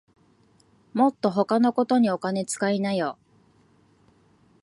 もっと他のことにお金つかいなよ